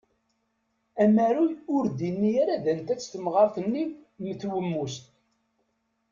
Amaru ur d-yenni ara d anta-tt temɣart-nni mm twemmust.